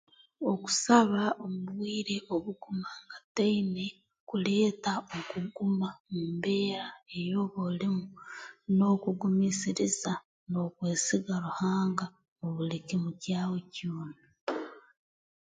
Okusaba omu bwire obugumangataine kuleeta okuguma mu mbeera eyooba olimu n'okugumiisiriza n'okwesiga Ruhanga mu buli kimu kyawe kyona